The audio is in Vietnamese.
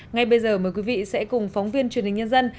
ngay bây giờ mời quý vị sẽ cùng phóng viên truyền hình nhân dân